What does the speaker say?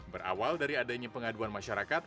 berawal dari adanya pengaduan masyarakat